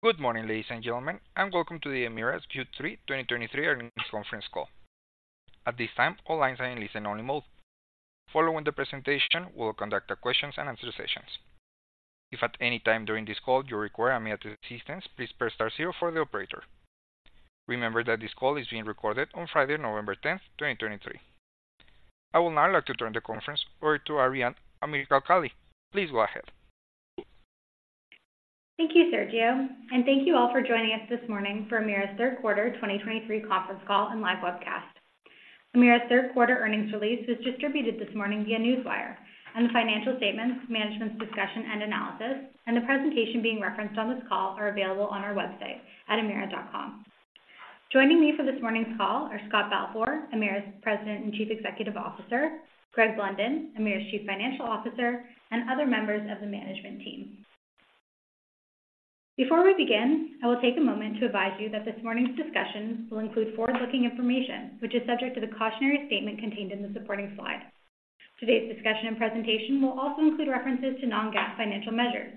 Good morning, ladies and gentlemen, and welcome to Emera's Q3 2023 earnings conference call. At this time, all lines are in listen-only mode. Following the presentation, we'll conduct a questions-and-answer sessions. If at any time during this call you require immediate assistance, please press star zero for the operator. Remember that this call is being recorded on Friday, November 10, 2023. I would now like to turn the conference over to Arianne Amirkhalkhali. Please go ahead. Thank you, Sergio, and thank you all for joining us this morning for Emera's third quarter 2023 conference call and live webcast. Emera's third quarter earnings release was distributed this morning via Newswire, and the financial statements, management's discussion and analysis, and the presentation being referenced on this call are available on our website at emera.com. Joining me for this morning's call are Scott Balfour, Emera's President and Chief Executive Officer, Greg Blunden, Emera's Chief Financial Officer, and other members of the management team. Before we begin, I will take a moment to advise you that this morning's discussions will include forward-looking information, which is subject to the cautionary statement contained in the supporting slides. Today's discussion and presentation will also include references to non-GAAP financial measures.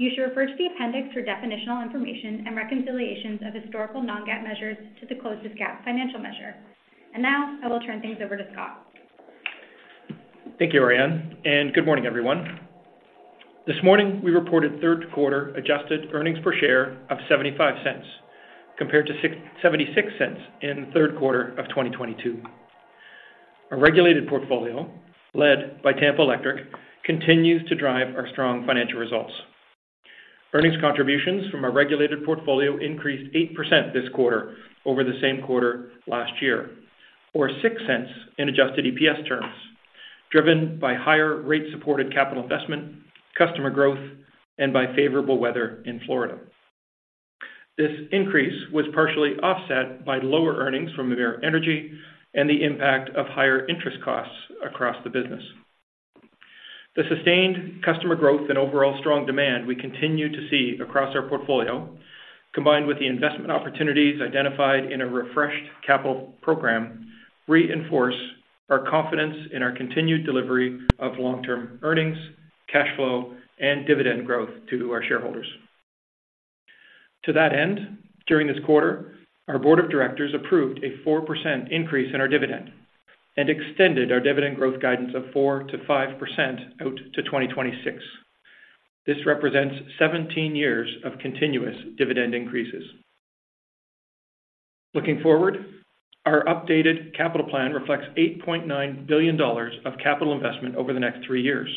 You should refer to the appendix for definitional information and reconciliations of historical non-GAAP measures to the closest GAAP financial measure. Now, I will turn things over to Scott. Thank you, Arianne, and good morning, everyone. This morning, we reported third quarter adjusted earnings per share of 0.75, compared to 0.76 in the third quarter of 2022. Our regulated portfolio, led by Tampa Electric, continues to drive our strong financial results. Earnings contributions from our regulated portfolio increased 8% this quarter over the same quarter last year, or 0.06 in Adjusted EPS terms, driven by higher rate-supported capital investment, customer growth, and by favorable weather in Florida. This increase was partially offset by lower earnings from Emera Energy and the impact of higher interest costs across the business. The sustained customer growth and overall strong demand we continue to see across our portfolio, combined with the investment opportunities identified in a refreshed capital program, reinforce our confidence in our continued delivery of long-term earnings, cash flow, and dividend growth to our shareholders. To that end, during this quarter, our Board of Directors approved a 4% increase in our dividend and extended our dividend growth guidance of 4%-5% out to 2026. This represents 17 years of continuous dividend increases. Looking forward, our updated capital plan reflects 8.9 billion dollars of capital investment over the next three years,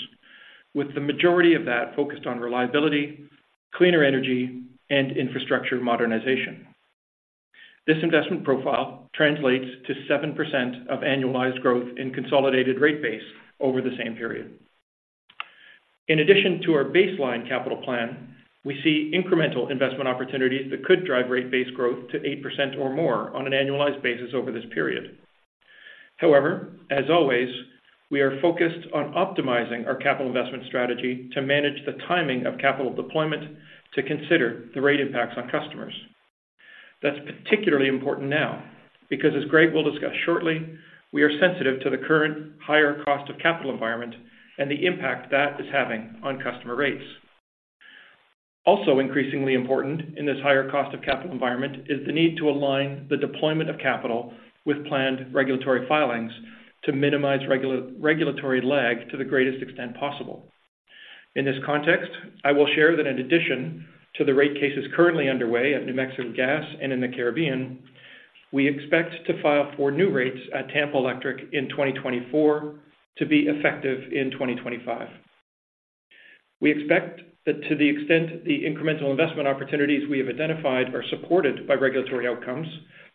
with the majority of that focused on reliability, cleaner energy, and infrastructure modernization. This investment profile translates to 7% annualized growth in consolidated rate base over the same period. In addition to our baseline capital plan, we see incremental investment opportunities that could drive rate base growth to 8% or more on an annualized basis over this period. However, as always, we are focused on optimizing our capital investment strategy to manage the timing of capital deployment to consider the rate impacts on customers. That's particularly important now, because as Greg will discuss shortly, we are sensitive to the current higher cost of capital environment and the impact that is having on customer rates. Also increasingly important in this higher cost of capital environment is the need to align the deployment of capital with planned regulatory filings to minimize regulatory lag to the greatest extent possible. In this context, I will share that in addition to the rate cases currently underway at New Mexico Gas and in the Caribbean, we expect to file for new rates at Tampa Electric in 2024 to be effective in 2025. We expect that to the extent the incremental investment opportunities we have identified are supported by regulatory outcomes,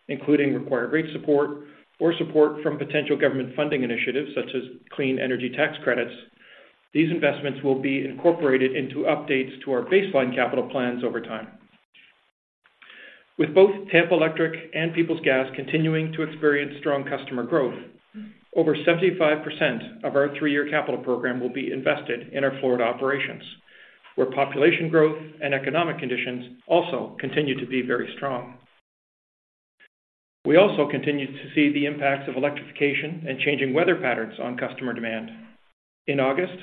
including required rate support or support from potential government funding initiatives such as clean energy tax credits, these investments will be incorporated into updates to our baseline capital plans over time. With both Tampa Electric and Peoples Gas continuing to experience strong customer growth, over 75% of our three-year capital program will be invested in our Florida operations, where population growth and economic conditions also continue to be very strong. We also continue to see the impacts of electrification and changing weather patterns on customer demand. In August,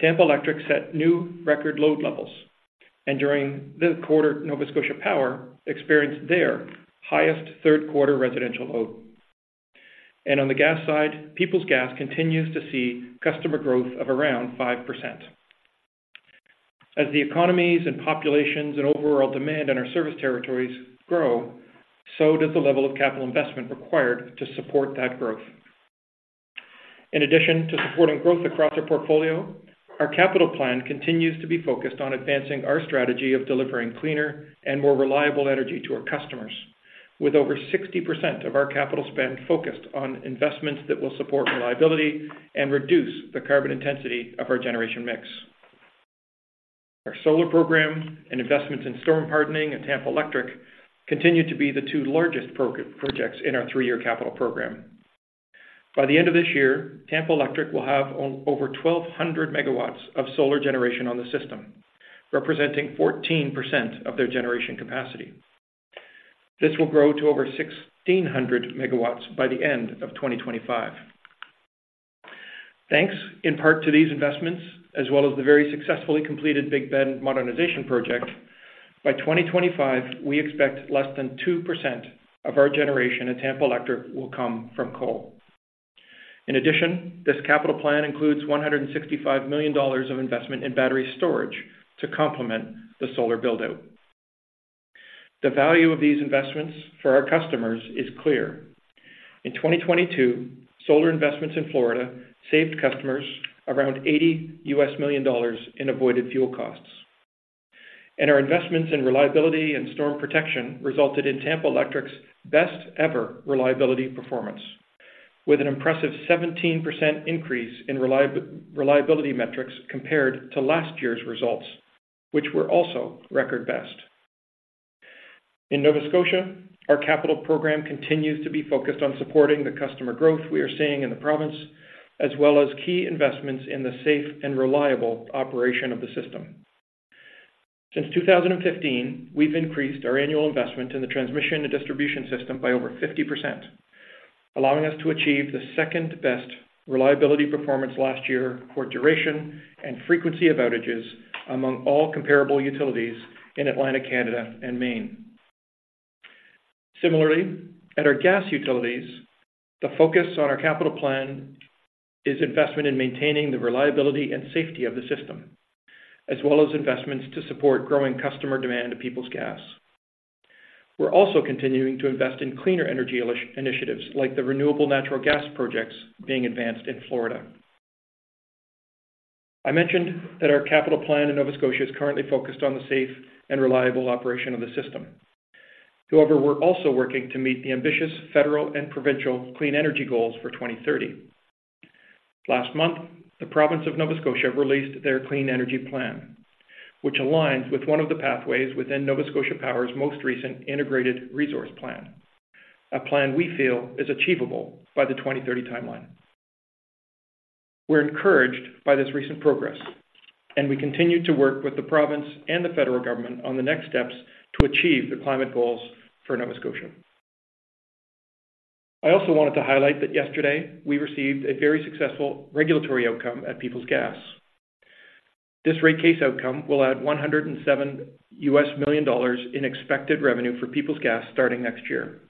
Tampa Electric set new record load levels, and during this quarter, Nova Scotia Power experienced their highest third quarter residential load. On the gas side, Peoples Gas continues to see customer growth of around 5%. As the economies and populations and overall demand in our service territories grow, so does the level of capital investment required to support that growth. In addition to supporting growth across our portfolio, our capital plan continues to be focused on advancing our strategy of delivering cleaner and more reliable energy to our customers, with over 60% of our capital spend focused on investments that will support reliability and reduce the carbon intensity of our generation mix. Our solar program and investments in storm hardening at Tampa Electric continue to be the two largest projects in our three-year capital program. By the end of this year, Tampa Electric will have over 1,200 MW of solar generation on the system, representing 14% of their generation capacity. This will grow to over 1,600 MW by the end of 2025. Thanks in part to these investments, as well as the very successfully completed Big Bend modernization project, by 2025, we expect less than 2% of our generation at Tampa Electric will come from coal. In addition, this capital plan includes $165 million of investment in battery storage to complement the solar build-out. The value of these investments for our customers is clear. In 2022, solar investments in Florida saved customers around $80 million in avoided fuel costs. And our investments in reliability and storm protection resulted in Tampa Electric's best-ever reliability performance, with an impressive 17% increase in reliability metrics compared to last year's results, which were also record best. In Nova Scotia, our capital program continues to be focused on supporting the customer growth we are seeing in the province, as well as key investments in the safe and reliable operation of the system. Since 2015, we've increased our annual investment in the transmission and distribution system by over 50%, allowing us to achieve the second-best reliability performance last year for duration and frequency of outages among all comparable utilities in Atlantic Canada and Maine. Similarly, at our gas utilities, the focus on our capital plan is investment in maintaining the reliability and safety of the system, as well as investments to support growing customer demand at Peoples Gas. We're also continuing to invest in cleaner energy initiatives, like the renewable natural gas projects being advanced in Florida. I mentioned that our capital plan in Nova Scotia is currently focused on the safe and reliable operation of the system. However, we're also working to meet the ambitious federal and provincial clean energy goals for 2030. Last month, the province of Nova Scotia released their clean energy plan, which aligns with one of the pathways within Nova Scotia Power's most recent Integrated Resource Plan, a plan we feel is achievable by the 2030 timeline. We're encouraged by this recent progress, and we continue to work with the province and the federal government on the next steps to achieve the climate goals for Nova Scotia. I also wanted to highlight that yesterday, we received a very successful regulatory outcome at Peoples Gas. This rate case outcome will add $107 million in expected revenue for Peoples Gas starting next year,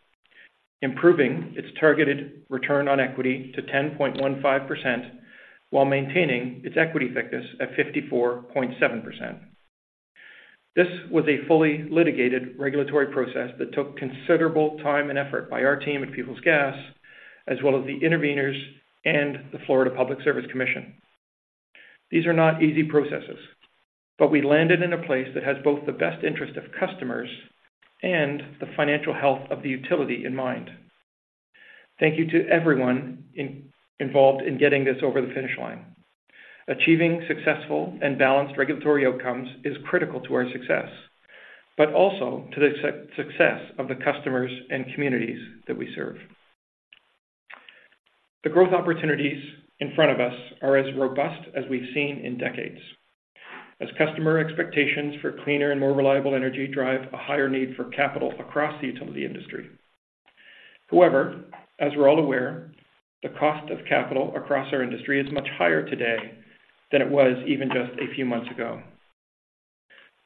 improving its targeted return on equity to 10.15% while maintaining its equity thickness at 54.7%. This was a fully litigated regulatory process that took considerable time and effort by our team at Peoples Gas, as well as the interveners and the Florida Public Service Commission. These are not easy processes, but we landed in a place that has both the best interest of customers and the financial health of the utility in mind. Thank you to everyone involved in getting this over the finish line. Achieving successful and balanced regulatory outcomes is critical to our success, but also to the success of the customers and communities that we serve. The growth opportunities in front of us are as robust as we've seen in decades, as customer expectations for cleaner and more reliable energy drive a higher need for capital across the utility industry. However, as we're all aware, the cost of capital across our industry is much higher today than it was even just a few months ago.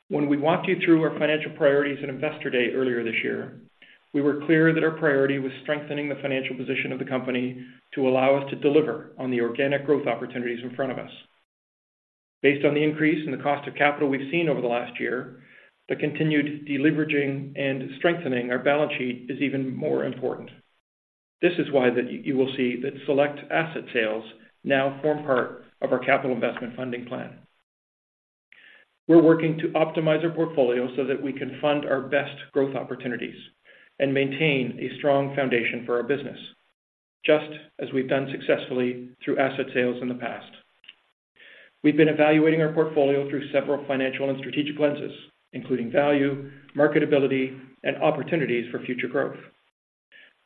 When we walked you through our financial priorities at Investor Day earlier this year, we were clear that our priority was strengthening the financial position of the company to allow us to deliver on the organic growth opportunities in front of us. Based on the increase in the cost of capital we've seen over the last year, the continued deleveraging and strengthening our balance sheet is even more important. This is why that you will see that select asset sales now form part of our capital investment funding plan. We're working to optimize our portfolio so that we can fund our best growth opportunities and maintain a strong foundation for our business, just as we've done successfully through asset sales in the past. We've been evaluating our portfolio through several financial and strategic lenses, including value, marketability, and opportunities for future growth.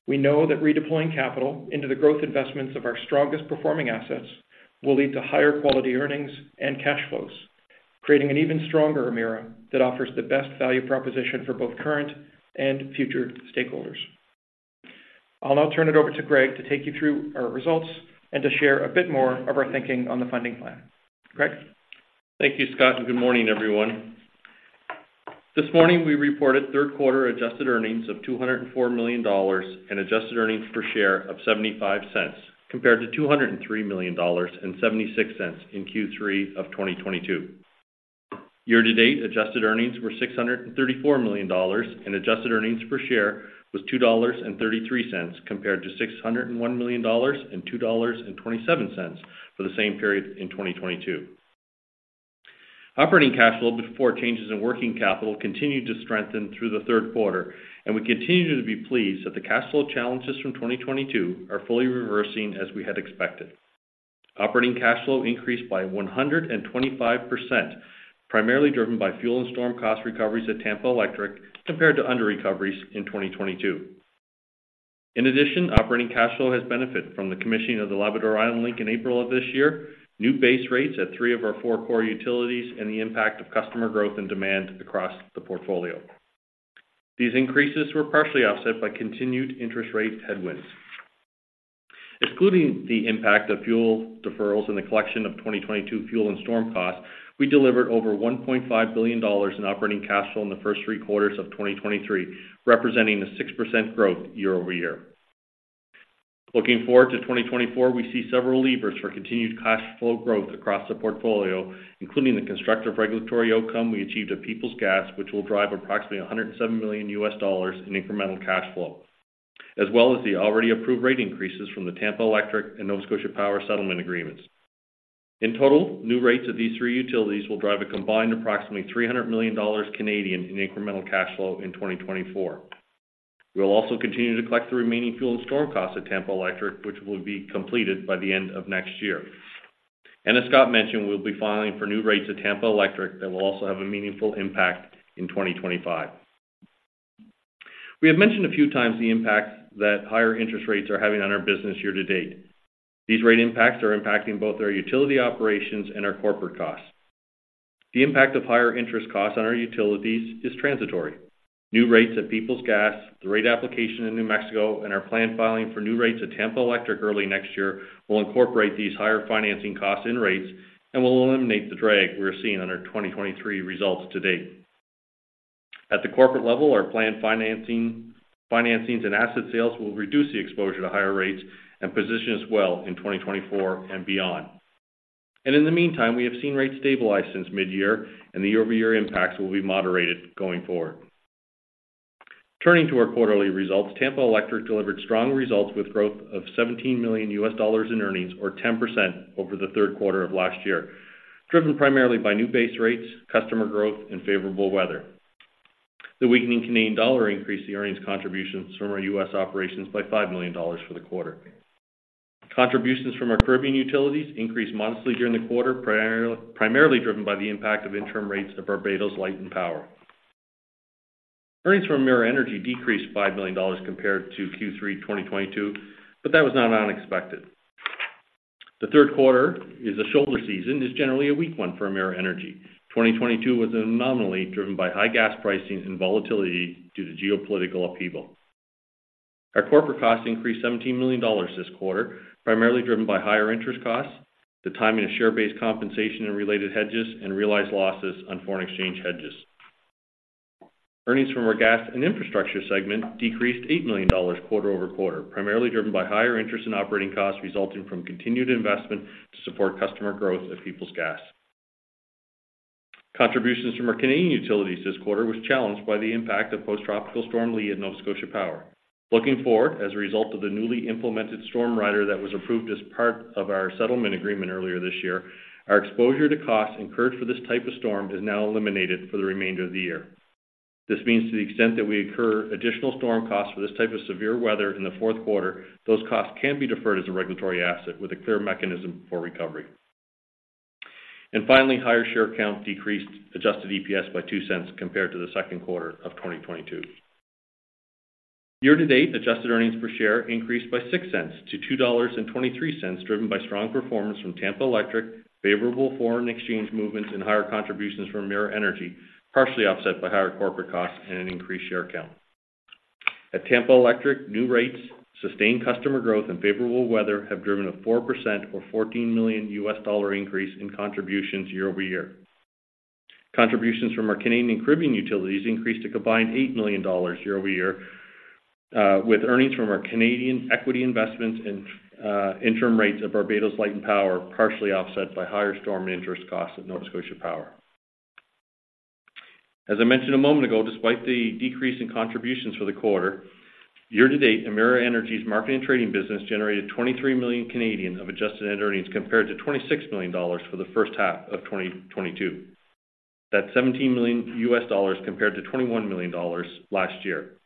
We know that redeploying capital into the growth investments of our strongest-performing assets will lead to higher quality earnings and cash flows, creating an even stronger Emera that offers the best value proposition for both current and future stakeholders. I'll now turn it over to Greg to take you through our results and to share a bit more of our thinking on the funding plan. Greg? Thank you, Scott, and good morning, everyone. This morning, we reported third-quarter adjusted earnings of CAD 204 million and adjusted earnings per share of 0.75, compared to CAD 203 million and 0.76 in Q3 of 2022. Year to date, adjusted earnings were CAD 634 million, and adjusted earnings per share was CAD 2.33, compared to CAD 601 million and CAD 2.27 for the same period in 2022. Operating cash flow before changes in working capital continued to strengthen through the third quarter, and we continue to be pleased that the cash flow challenges from 2022 are fully reversing as we had expected. Operating cash flow increased by 125%, primarily driven by fuel and storm cost recoveries at Tampa Electric compared to underrecoveries in 2022. In addition, operating cash flow has benefited from the commissioning of the Labrador Island Link in April of this year, new base rates at three of our four core utilities, and the impact of customer growth and demand across the portfolio. These increases were partially offset by continued interest rate headwinds. Excluding the impact of fuel deferrals and the collection of 2022 fuel and storm costs, we delivered over 1.5 billion dollars in operating cash flow in the first three quarters of 2023, representing a 6% growth year-over-year. Looking forward to 2024, we see several levers for continued cash flow growth across the portfolio, including the constructive regulatory outcome we achieved at Peoples Gas, which will drive approximately $107 million in incremental cash flow, as well as the already approved rate increases from the Tampa Electric and Nova Scotia Power settlement agreements. In total, new rates of these three utilities will drive a combined approximately 300 million Canadian dollars in incremental cash flow in 2024. We'll also continue to collect the remaining fuel and storm costs at Tampa Electric, which will be completed by the end of next year. And as Scott mentioned, we'll be filing for new rates at Tampa Electric that will also have a meaningful impact in 2025. We have mentioned a few times the impact that higher interest rates are having on our business year-to-date. These rate impacts are impacting both our utility operations and our corporate costs. The impact of higher interest costs on our utilities is transitory. New rates at Peoples Gas, the rate application in New Mexico, and our planned filing for new rates at Tampa Electric early next year, will incorporate these higher financing costs in rates and will eliminate the drag we're seeing on our 2023 results to date. At the corporate level, our planned financings and asset sales will reduce the exposure to higher rates and position us well in 2024 and beyond. In the meantime, we have seen rates stabilize since midyear, and the year-over-year impacts will be moderated going forward. Turning to our quarterly results, Tampa Electric delivered strong results with growth of $17 million in earnings, or 10% over the third quarter of last year, driven primarily by new base rates, customer growth, and favorable weather. The weakening Canadian dollar increased the earnings contributions from our U.S. operations by 5 million dollars for the quarter. Contributions from our Caribbean utilities increased modestly during the quarter, primarily driven by the impact of interim rates of Barbados Light & Power. Earnings from Emera Energy decreased 5 million dollars compared to Q3 2022, but that was not unexpected. The third quarter is a shoulder season, is generally a weak one for Emera Energy. 2022 was an anomaly driven by high gas pricing and volatility due to geopolitical upheaval. Our corporate costs increased 17 million dollars this quarter, primarily driven by higher interest costs, the timing of share-based compensation and related hedges, and realized losses on foreign exchange hedges. Earnings from our gas and infrastructure segment decreased 8 million dollars quarter-over-quarter, primarily driven by higher interest and operating costs, resulting from continued investment to support customer growth at Peoples Gas. Contributions from our Canadian utilities this quarter was challenged by the impact of Post Tropical Storm Lee at Nova Scotia Power. Looking forward, as a result of the newly implemented Storm Rider that was approved as part of our settlement agreement earlier this year, our exposure to costs incurred for this type of storm is now eliminated for the remainder of the year. This means to the extent that we incur additional storm costs for this type of severe weather in the fourth quarter, those costs can be deferred as a regulatory asset with a clear mechanism for recovery. Finally, higher share count decreased Adjusted EPS by 0.02 compared to the second quarter of 2022. Year-to-date, adjusted earnings per share increased by 0.06 to 2.23 dollars, driven by strong performance from Tampa Electric, favorable foreign exchange movements, and higher contributions from Emera Energy, partially offset by higher corporate costs and an increased share count. At Tampa Electric, new rates, sustained customer growth and favorable weather have driven a 4% or $14 million increase in contributions year-over-year. Contributions from our Canadian and Caribbean utilities increased to a combined 8 million dollars year-over-year, with earnings from our Canadian equity investments and, interim rates of Barbados Light & Power, partially offset by higher storm and interest costs at Nova Scotia Power. As I mentioned a moment ago, despite the decrease in contributions for the quarter, year-to-date, Emera Energy's marketing trading business generated 23 million Canadian dollars of adjusted net earnings, compared to 26 million dollars for the first half of 2022. That's $17 million compared to $21 million last year.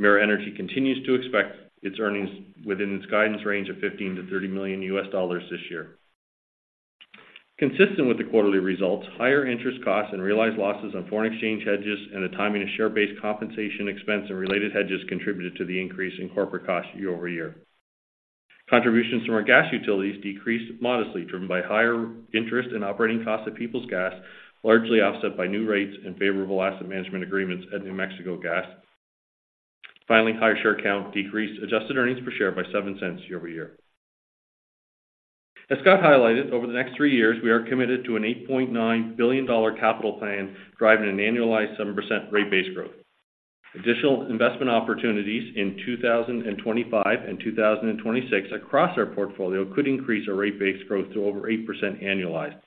Emera Energy continues to expect its earnings within its guidance range of $15 million-$30 million this year. Consistent with the quarterly results, higher interest costs and realized losses on foreign exchange hedges and the timing of share-based compensation expense and related hedges contributed to the increase in corporate costs year-over-year. Contributions from our gas utilities decreased modestly, driven by higher interest and operating costs at Peoples Gas, largely offset by new rates and favorable asset management agreements at New Mexico Gas. Finally, higher share count decreased adjusted earnings per share by 0.07 year-over-year. As Scott highlighted, over the next three years, we are committed to a 8.9 billion dollar capital plan, driving an annualized 7% rate base growth. Additional investment opportunities in 2025 and 2026 across our portfolio could increase our rate base growth to over 8% annualized.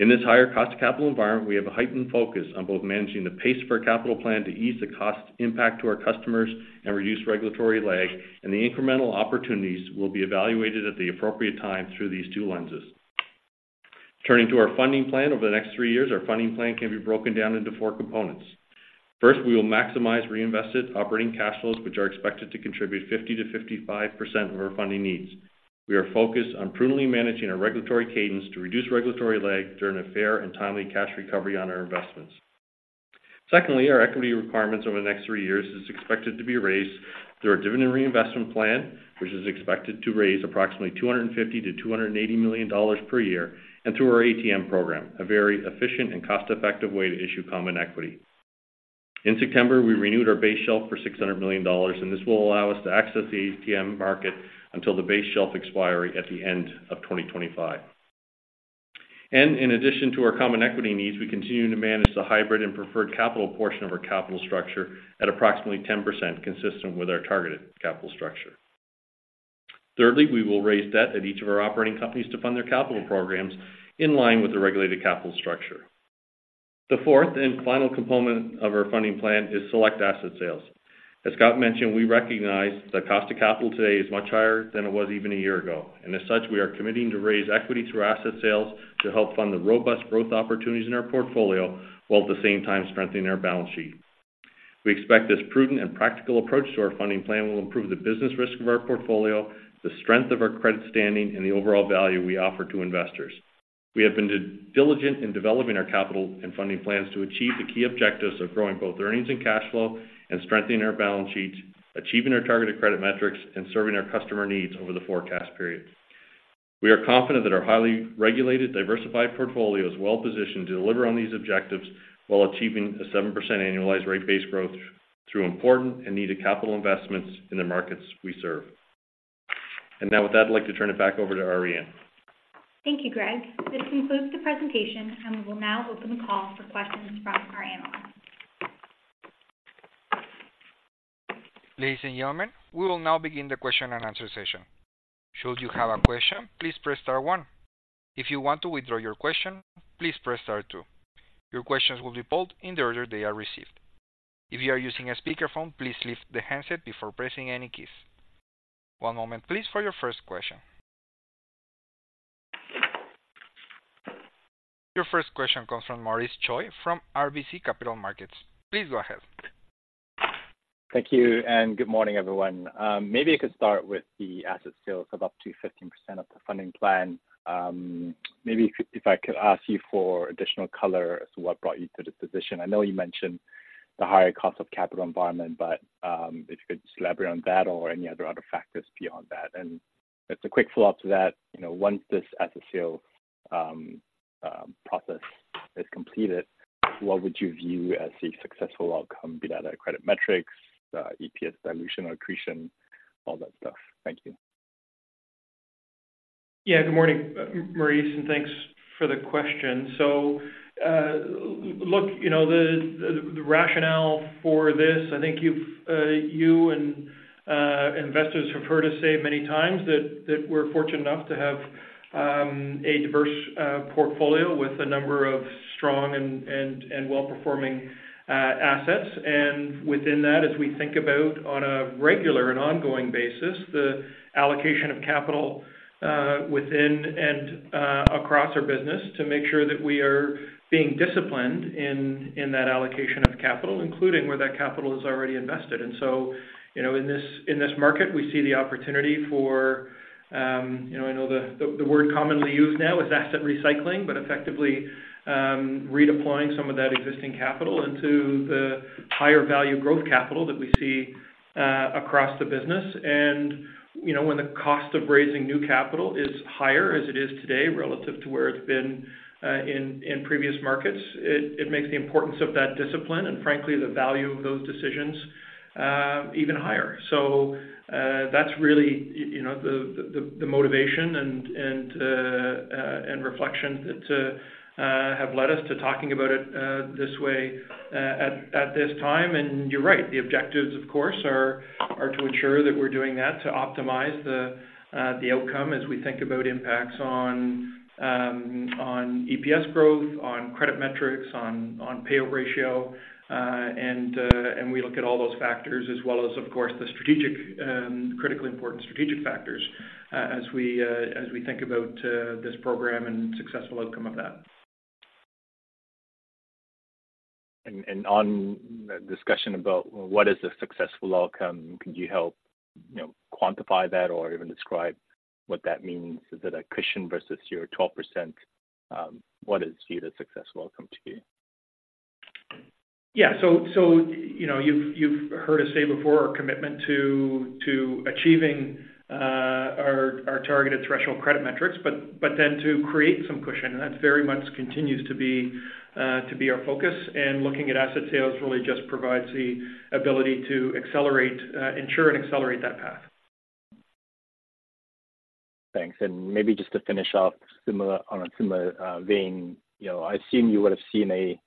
In this higher cost capital environment, we have a heightened focus on both managing the pace of our capital plan to ease the cost impact to our customers and reduce regulatory lag, and the incremental opportunities will be evaluated at the appropriate time through these two lenses. Turning to our funding plan. Over the next three years, our funding plan can be broken down into four components. First, we will maximize reinvested operating cash flows, which are expected to contribute 50%-55% of our funding needs. We are focused on prudently managing our regulatory cadence to reduce regulatory lag during a fair and timely cash recovery on our investments. Secondly, our equity requirements over the next three years is expected to be raised through our dividend reinvestment plan, which is expected to raise approximately 250 million-280 million dollars per year, and through our ATM program, a very efficient and cost-effective way to issue common equity. In September, we renewed our base shelf for 600 million dollars, and this will allow us to access the ATM market until the base shelf expiry at the end of 2025. In addition to our common equity needs, we continue to manage the hybrid and preferred capital portion of our capital structure at approximately 10%, consistent with our targeted capital structure. Thirdly, we will raise debt at each of our operating companies to fund their capital programs in line with the regulated capital structure. The fourth and final component of our funding plan is select asset sales. As Scott mentioned, we recognize the cost of capital today is much higher than it was even a year ago, and as such, we are committing to raise equity through asset sales to help fund the robust growth opportunities in our portfolio, while at the same time strengthening our balance sheet. We expect this prudent and practical approach to our funding plan will improve the business risk of our portfolio, the strength of our credit standing, and the overall value we offer to investors. We have been diligent in developing our capital and funding plans to achieve the key objectives of growing both earnings and cash flow and strengthening our balance sheet, achieving our targeted credit metrics, and serving our customer needs over the forecast period. We are confident that our highly regulated, diversified portfolio is well positioned to deliver on these objectives while achieving a 7% annualized rate base growth through important and needed capital investments in the markets we serve. And now, with that, I'd like to turn it back over to Arianne. Thank you, Greg. This concludes the presentation, and we will now open the call for questions from our analysts. Ladies and gentlemen, we will now begin the question-and-answer session. Should you have a question, please press star one. If you want to withdraw your question, please press star two. Your questions will be pulled in the order they are received. If you are using a speakerphone, please lift the handset before pressing any keys. One moment please, for your first question. Your first question comes from Maurice Choy from RBC Capital Markets. Please go ahead. Thank you, and good morning, everyone. Maybe I could start with the asset sales of up to 15% of the funding plan. Maybe if I could ask you for additional color as to what brought you to this position. I know you mentioned the higher cost of capital environment, but if you could elaborate on that or any other factors beyond that. And as a quick follow-up to that, you know, once this asset sale process is completed, what would you view as a successful outcome? Be that a credit metrics, EPS dilution or accretion, all that stuff. Thank you. Yeah. Good morning, Maurice, and thanks for the question. So, look, you know, the rationale for this, I think you've you and investors have heard us say many times that we're fortunate enough to have a diverse portfolio with a number of strong and well-performing assets. And within that, as we think about on a regular and ongoing basis, the allocation of capital within and across our business, to make sure that we are being disciplined in that allocation of capital, including where that capital is already invested. And so, you know, in this market, we see the opportunity for, you know, I know the word commonly used now is asset recycling, but effectively, redeploying some of that existing capital into the higher value growth capital that we see across the business. And, you know, when the cost of raising new capital is higher, as it is today, relative to where it's been in previous markets, it makes the importance of that discipline, and frankly, the value of those decisions, even higher. So, that's really, you know, the motivation and reflections that have led us to talking about it this way, at this time. And you're right, the objectives, of course, are to ensure that we're doing that, to optimize the outcome as we think about impacts on EPS growth, on credit metrics, on payout ratio. And we look at all those factors as well as, of course, the strategic, critically important strategic factors, as we think about this program and successful outcome of that. On the discussion about what is a successful outcome, could you help, you know, quantify that or even describe what that means? Is it a cushion versus your 12%? What is viewed a successful outcome to you? Yeah. So, you know, you've heard us say before our commitment to achieving our targeted threshold credit metrics, but then to create some cushion, and that very much continues to be our focus. And looking at asset sales really just provides the ability to accelerate, ensure and accelerate that path. Thanks. Maybe just to finish off, similar, on a similar vein, you know, I assume you would have seen a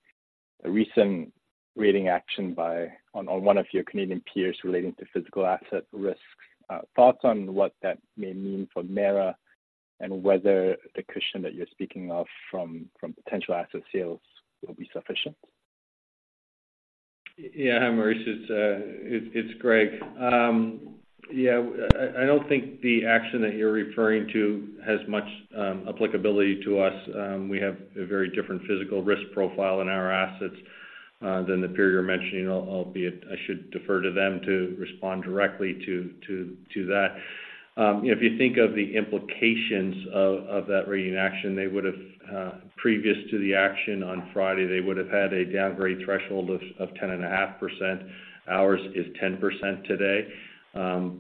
recent rating action by on one of your Canadian peers relating to physical asset risks. Thoughts on what that may mean for Emera and whether the cushion that you're speaking of from potential asset sales will be sufficient? Yeah, Maurice, it's Greg. Yeah, I don't think the action that you're referring to has much applicability to us. We have a very different physical risk profile in our assets than the peer you're mentioning, albeit I should defer to them to respond directly to that. If you think of the implications of that rating action, they would've previous to the action on Friday, they would have had a downgrade threshold of 10.5%. Ours is 10% today.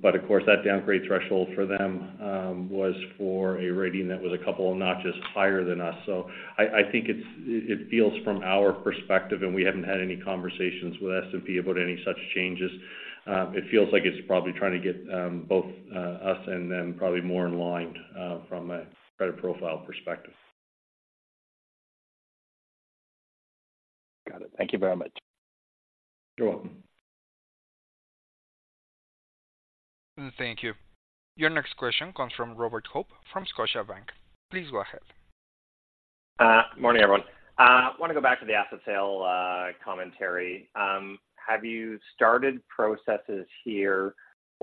But of course, that downgrade threshold for them was for a rating that was a couple of notches higher than us. So I think it's, it feels from our perspective, and we haven't had any conversations with S&P about any such changes. It feels like it's probably trying to get both us and them probably more in line from a credit profile perspective. Thank you very much. You're welcome. Thank you. Your next question comes from Robert Hope from Scotiabank. Please go ahead. Morning, everyone. I want to go back to the asset sale commentary. Have you started processes here,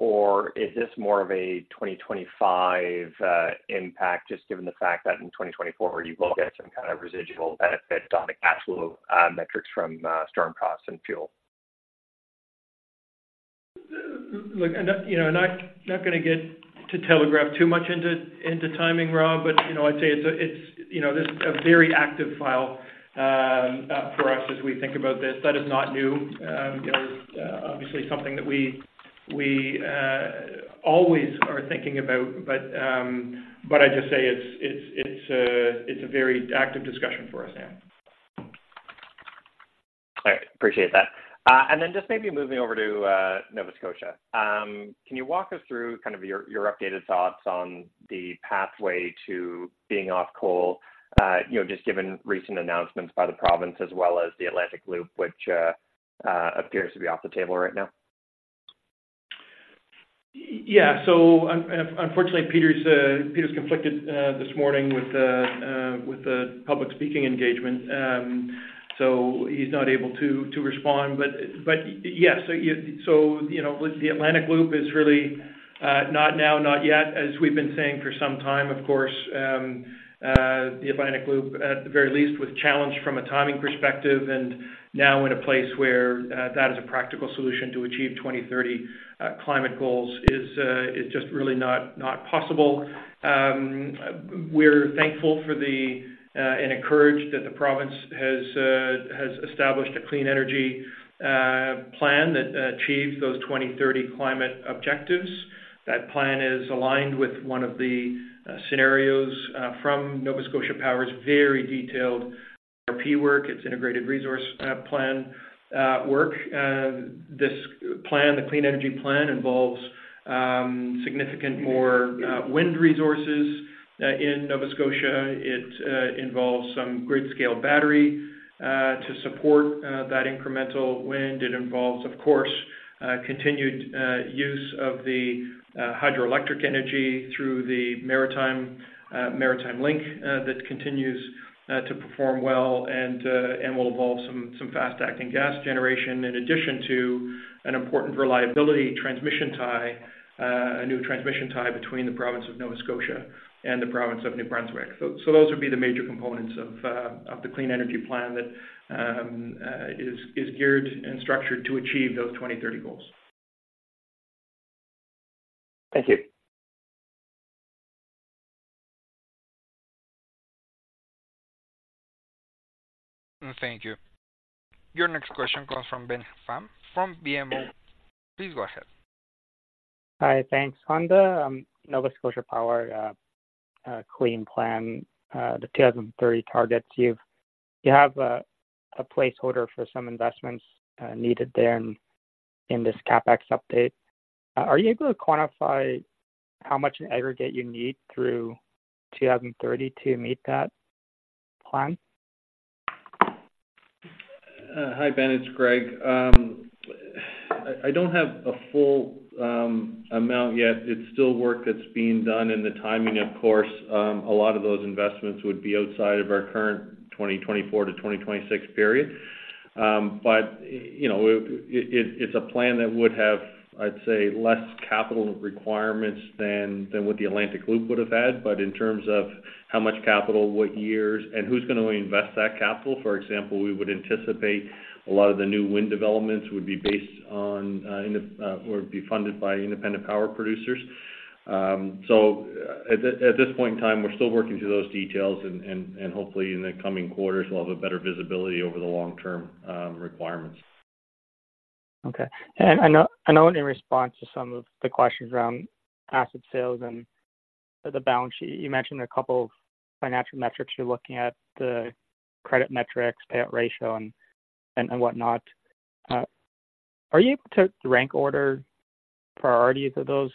or is this more of a 2025 impact, just given the fact that in 2024 you will get some kind of residual benefit on the absolute metrics from storm costs and fuel? Look, you know, not going to get to telegraph too much into timing, Rob, but, you know, I'd say it's, you know, this is a very active file for us as we think about this. That is not new. You know, it's obviously something that we always are thinking about. But I just say it's a very active discussion for us now. All right. Appreciate that. And then just maybe moving over to Nova Scotia. Can you walk us through kind of your updated thoughts on the pathway to being off coal? You know, just given recent announcements by the province as well as the Atlantic Loop, which appears to be off the table right now. Yeah. So unfortunately, Peter's conflicted this morning with the public speaking engagement, so he's not able to respond. But yes, so you know, the Atlantic Loop is really not now, not yet, as we've been saying for some time, of course. The Atlantic Loop, at the very least, was challenged from a timing perspective, and now in a place where that is a practical solution to achieve 2030 climate goals is just really not possible. We're thankful and encouraged that the province has established a clean energy plan that achieves those 2030 climate objectives. That plan is aligned with one of the scenarios from Nova Scotia Power's very detailed IRP work, its integrated resource plan work. This plan, the clean energy plan, involves significant more wind resources in Nova Scotia. It involves some grid-scale battery to support that incremental wind. It involves, of course, continued use of the hydroelectric energy through the Maritime Link that continues to perform well and will involve some fast-acting gas generation, in addition to an important reliability transmission tie, a new transmission tie between the province of Nova Scotia and the province of New Brunswick. So those would be the major components of the clean energy plan that is geared and structured to achieve those 2030 goals. Thank you. Thank you. Your next question comes from Ben Pham from BMO. Please go ahead. Hi. Thanks. On the Nova Scotia Power clean plan, the 2030 targets, you've... You have a placeholder for some investments needed there in this CapEx update. Are you able to quantify how much in aggregate you need through 2030 to meet that plan? Hi, Ben, it's Greg. I don't have a full amount yet. It's still work that's being done. And the timing, of course, a lot of those investments would be outside of our current 2024-2026 period. But you know, it's a plan that would have, I'd say, less capital requirements than what the Atlantic Loop would have had. But in terms of how much capital, what years, and who's going to invest that capital? For example, we would anticipate a lot of the new wind developments would be based on or be funded by independent power producers. So at this point in time, we're still working through those details and hopefully in the coming quarters, we'll have a better visibility over the long-term requirements. Okay. And I know, I know in response to some of the questions around asset sales and the balance sheet, you mentioned a couple of financial metrics. You're looking at the credit metrics, payout ratio, and, and whatnot. Are you able to rank order priorities of those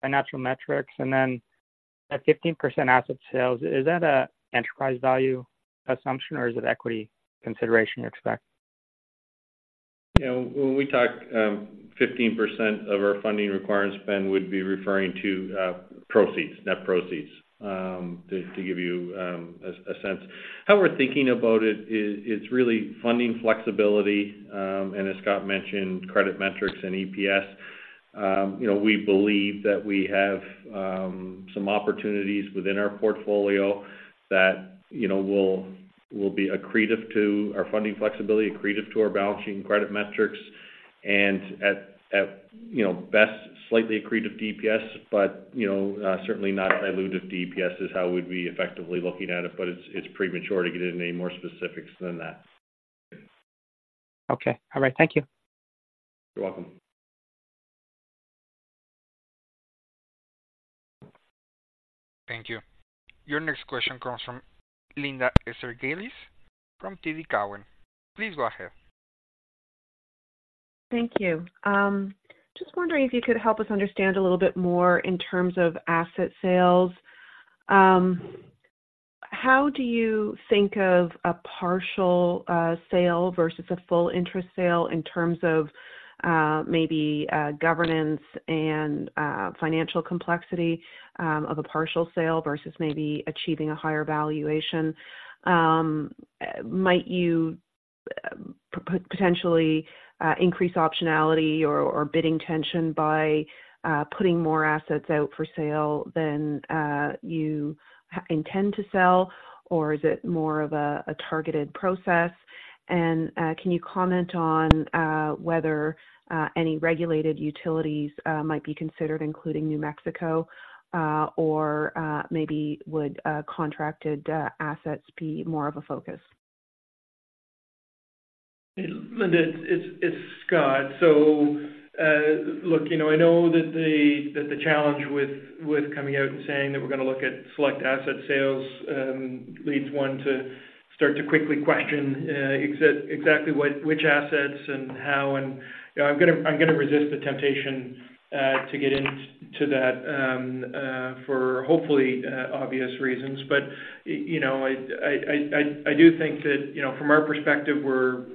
financial metrics? And then at 15% asset sales, is that a enterprise value assumption, or is it equity consideration you expect? You know, when we talk, 15% of our funding requirements spend, we'd be referring to proceeds, net proceeds, to give you a sense. How we're thinking about it is it's really funding flexibility, and as Scott mentioned, credit metrics and EPS. You know, we believe that we have some opportunities within our portfolio that, you know, will be accretive to our funding flexibility, accretive to our balance sheet and credit metrics, and at best, slightly accretive to EPS, but, you know, certainly not dilutive to EPS, is how we'd be effectively looking at it. But it's premature to get into any more specifics than that. Okay. All right. Thank you. You're welcome. Thank you. Your next question comes from Linda Ezergailis from TD Cowen. Please go ahead. Thank you. Just wondering if you could help us understand a little bit more in terms of asset sales. How do you think of a partial sale versus a full interest sale in terms of maybe governance and financial complexity of a partial sale versus maybe achieving a higher valuation? Might you potentially increase optionality or bidding tension by putting more assets out for sale than you intend to sell? Or is it more of a targeted process? And can you comment on whether any regulated utilities might be considered, including New Mexico? Or maybe would contracted assets be more of a focus? Linda, it's Scott. So, look, you know, I know that the challenge with coming out and saying that we're going to look at select asset sales leads one to start to quickly question exactly what—which assets and how, and, you know, I'm gonna resist the temptation to get into that for hopefully obvious reasons. But, you know, I do think that, you know, from our perspective, we're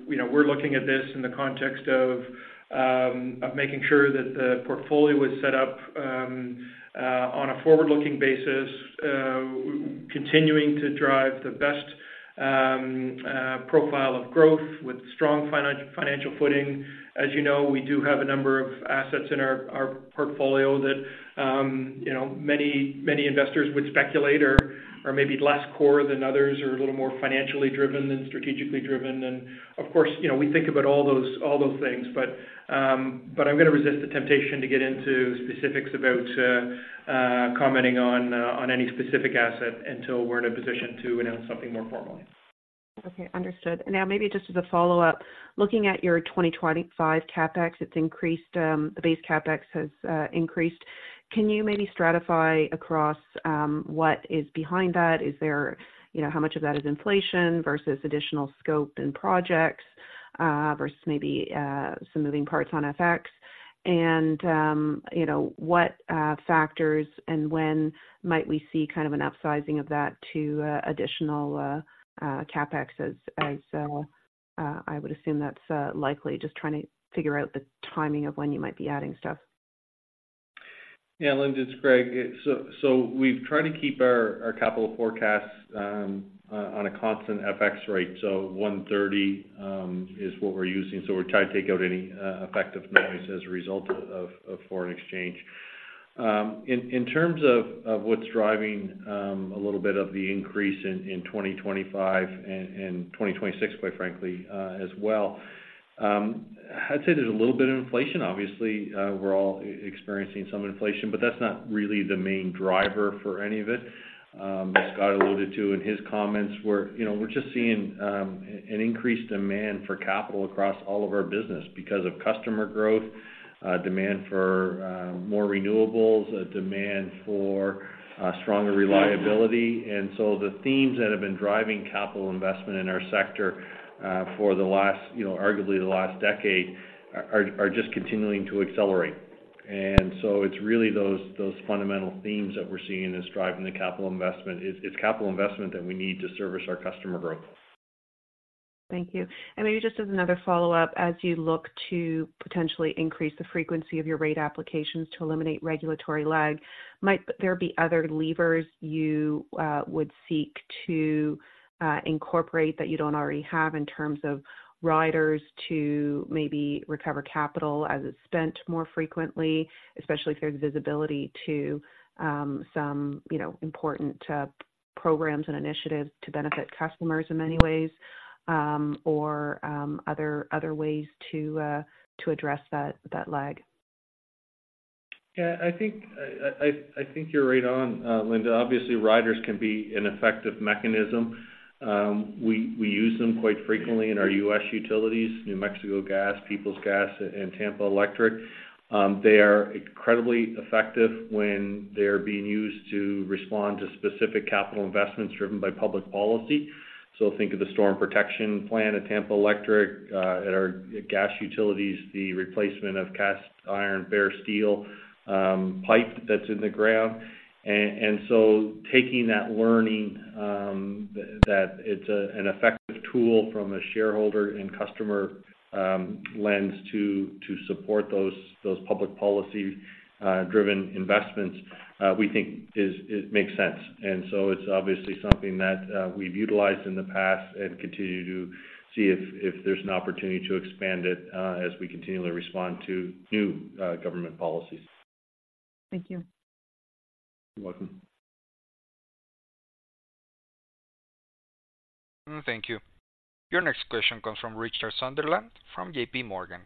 looking at this in the context of making sure that the portfolio is set up on a forward-looking basis continuing to drive the best profile of growth with strong financial footing. As you know, we do have a number of assets in our portfolio that, you know, many, many investors would speculate are maybe less core than others or a little more financially driven than strategically driven. And of course, you know, we think about all those things. But I'm going to resist the temptation to get into specifics about commenting on any specific asset until we're in a position to announce something more formally. Okay, understood. Now, maybe just as a follow-up, looking at your 2025 CapEx, it's increased, the base CapEx has increased. Can you maybe stratify across, what is behind that? Is there... You know, how much of that is inflation versus additional scope and projects, versus maybe, some moving parts on FX? And, you know, what, factors and when might we see kind of an upsizing of that to, additional CapEx as, as, I would assume that's, likely? Just trying to figure out the timing of when you might be adding stuff. Yeah, Linda, it's Greg. So we've tried to keep our capital forecasts on a constant FX rate. So 1.30 is what we're using. So we're trying to take out any effective noise as a result of foreign exchange. In terms of what's driving a little bit of the increase in 2025 and 2026, quite frankly, as well. I'd say there's a little bit of inflation. Obviously, we're all experiencing some inflation, but that's not really the main driver for any of it. As Scott alluded to in his comments, you know, we're just seeing an increased demand for capital across all of our business because of customer growth, demand for more renewables, a demand for stronger reliability. So the themes that have been driving capital investment in our sector for the last, you know, arguably the last decade, are just continuing to accelerate. It's really those fundamental themes that we're seeing as driving the capital investment. It's capital investment that we need to service our customer growth. Thank you. And maybe just as another follow-up, as you look to potentially increase the frequency of your rate applications to eliminate regulatory lag, might there be other levers you would seek to incorporate that you don't already have in terms of riders to maybe recover capital as it's spent more frequently? Especially if there's visibility to some, you know, important programs and initiatives to benefit customers in many ways, or other ways to address that lag. Yeah, I think you're right on, Linda. Obviously, riders can be an effective mechanism. We use them quite frequently in our U.S. utilities, New Mexico Gas, Peoples Gas, and Tampa Electric. They are incredibly effective when they're being used to respond to specific capital investments driven by public policy. So think of the Storm Protection Plan at Tampa Electric, at our gas utilities, the replacement of cast iron, bare steel, pipe that's in the ground. So taking that learning, that it's an effective tool from a shareholder and customer lens to support those public policy driven investments, we think it makes sense. It's obviously something that we've utilized in the past and continue to see if there's an opportunity to expand it, as we continually respond to new government policies. Thank you. You're welcome. Thank you. Your next question comes from Richard Sunderland, from JPMorgan.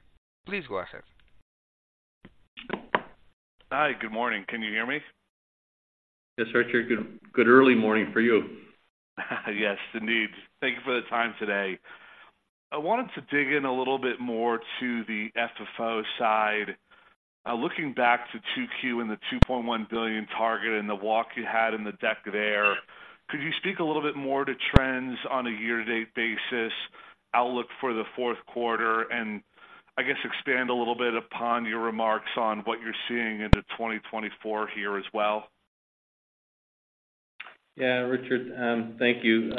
Please go ahead. Hi, good morning. Can you hear me? Yes, Richard. Good, good early morning for you. Yes, indeed. Thank you for the time today. I wanted to dig in a little bit more to the FFO side. Looking back to 2Q and the 2.1 billion target and the walk you had in the deck there, could you speak a little bit more to trends on a year-to-date basis, outlook for the fourth quarter? And I guess expand a little bit upon your remarks on what you're seeing into 2024 here as well. Yeah, Richard, thank you.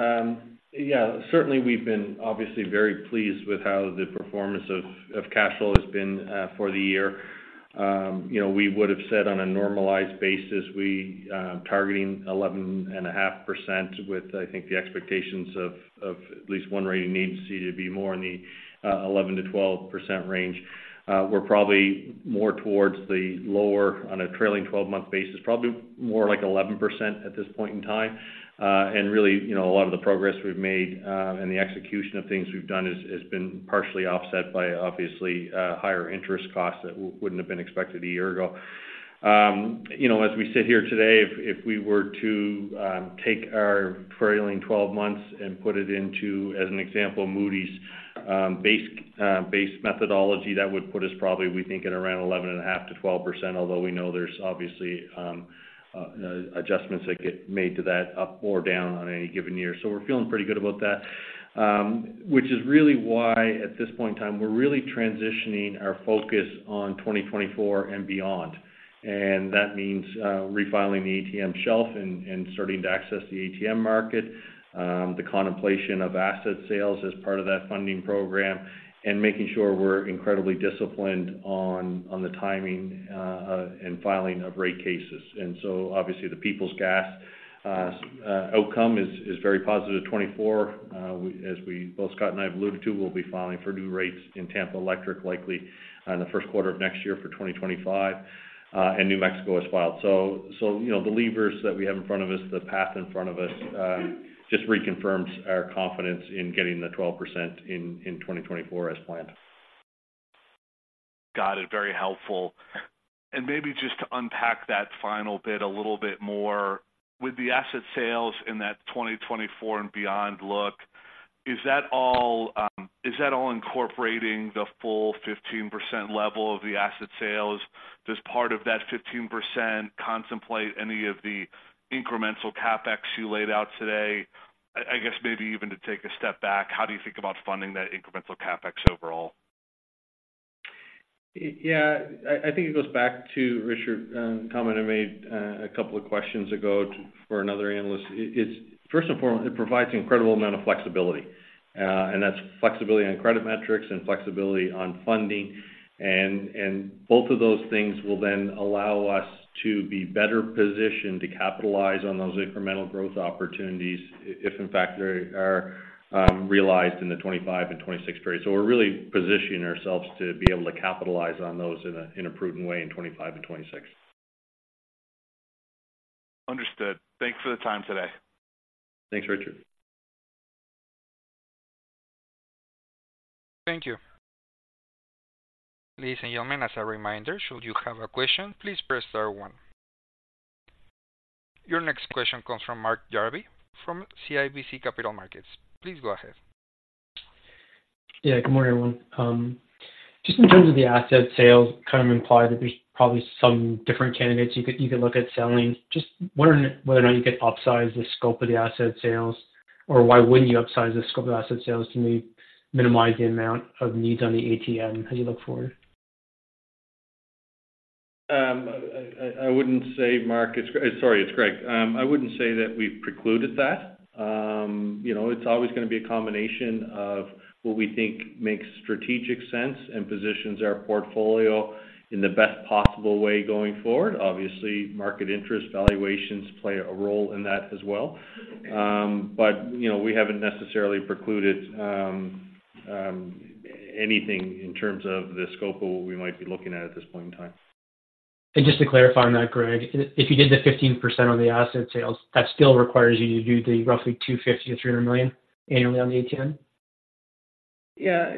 Yeah, certainly, we've been obviously very pleased with how the performance of cash flow has been for the year. You know, we would have said on a normalized basis, we targeting 11.5% with, I think, the expectations of at least one rating agency to be more in the 11%-12% range. We're probably more towards the lower on a trailing 12-month basis, probably more like 11% at this point in time. And really, you know, a lot of the progress we've made and the execution of things we've done has been partially offset by obviously higher interest costs that wouldn't have been expected a year ago. You know, as we sit here today, if we were to take our trailing twelve months and put it into, as an example, Moody's base methodology, that would put us probably, we think, at around 11.5%-12%, although we know there's obviously adjustments that get made to that, up or down on any given year. So we're feeling pretty good about that, which is really why, at this point in time, we're really transitioning our focus on 2024 and beyond. And that means refiling the ATM shelf and starting to access the ATM market, the contemplation of asset sales as part of that funding program, and making sure we're incredibly disciplined on the timing and filing of rate cases. So obviously, the Peoples Gas outcome is very positive. 2024, as we both Scott and I have alluded to, we'll be filing for new rates in Tampa Electric, likely in the first quarter of next year for 2025, and New Mexico has filed. So, you know, the levers that we have in front of us, the path in front of us, just reconfirms our confidence in getting the 12% in 2024 as planned. Got it. Very helpful. And maybe just to unpack that final bit a little bit more, with the asset sales in that 2024 and beyond look, is that all incorporating the full 15% level of the asset sales? Does part of that 15% contemplate any of the incremental CapEx you laid out today? I guess maybe even to take a step back, how do you think about funding that incremental CapEx overall? Yeah, I think it goes back to Richard's comment I made a couple of questions ago for another analyst. It's first and foremost, it provides an incredible amount of flexibility, and that's flexibility on credit metrics and flexibility on funding. And both of those things will then allow us to be better positioned to capitalize on those incremental growth opportunities if in fact, they are realized in the 2025 and 2026 period. So we're really positioning ourselves to be able to capitalize on those in a prudent way in 2025 and 2026. Understood. Thanks for the time today. Thanks, Richard. Thank you. Ladies and gentlemen, as a reminder, should you have a question, please press star one. Your next question comes from Mark Jarvi from CIBC Capital Markets. Please go ahead. Yeah, good morning, everyone. Just in terms of the asset sales, kind of implied that there's probably some different candidates you could, you could look at selling. Just wondering whether or not you could upsize the scope of the asset sales, or why wouldn't you upsize the scope of asset sales to maybe minimize the amount of needs on the ATM as you look forward? I wouldn't say, Mark. Sorry, it's Greg. I wouldn't say that we've precluded that. You know, it's always gonna be a combination of what we think makes strategic sense and positions our portfolio in the best possible way going forward. Obviously, market interest valuations play a role in that as well. But, you know, we haven't necessarily precluded anything in terms of the scope of what we might be looking at at this point in time. Just to clarify on that, Greg, if you did the 15% on the asset sales, that still requires you to do the roughly 250 million-300 million annually on the ATM? Yeah.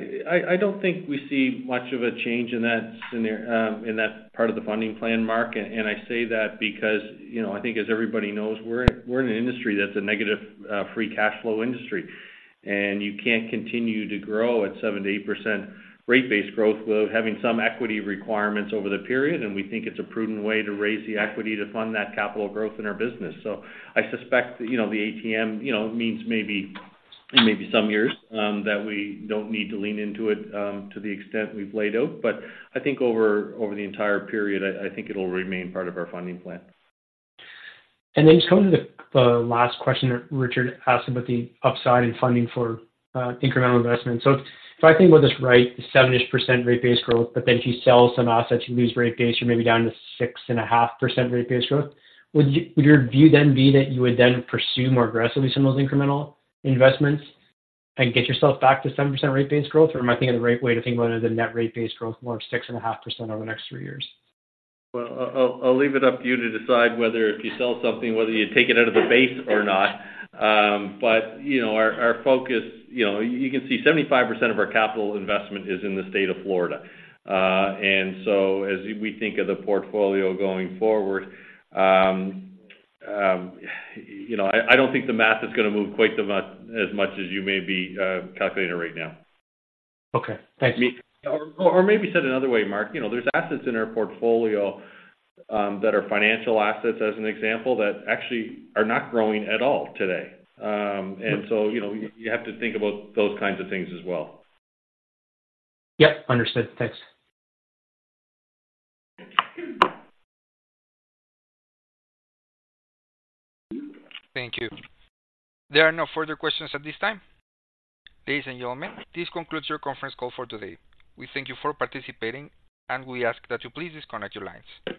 I don't think we see much of a change in that part of the funding plan, Mark. And I say that because, you know, I think as everybody knows, we're in an industry that's a negative free cash flow industry, and you can't continue to grow at 7%-8% rate base growth without having some equity requirements over the period. And we think it's a prudent way to raise the equity to fund that capital growth in our business. So I suspect, you know, the ATM means maybe in some years that we don't need to lean into it to the extent we've laid out. But I think over the entire period, I think it'll remain part of our funding plan. Then just coming to the last question that Richard asked about the upside in funding for incremental investment. So if I think about this, right, 7%-ish rate base growth, but then if you sell some assets, you lose rate base, you're maybe down to 6.5% rate base growth. Would your view then be that you would then pursue more aggressively some of those incremental investments and get yourself back to 7% rate base growth? Or am I thinking of the right way to think about it, the net rate base growth, more of 6.5% over the next three years? Well, I'll leave it up to you to decide whether if you sell something, whether you take it out of the base or not. But, you know, our focus, you know, you can see 75% of our capital investment is in the state of Florida. And so as we think of the portfolio going forward, you know, I don't think the math is gonna move quite as much as you may be calculating it right now. Okay, thanks. Or, maybe said another way, Mark, you know, there's assets in our portfolio that are financial assets, as an example, that actually are not growing at all today. And so, you know, you have to think about those kinds of things as well. Yep, understood. Thanks. Thank you. There are no further questions at this time. Ladies and gentlemen, this concludes your conference call for today. We thank you for participating, and we ask that you please disconnect your lines.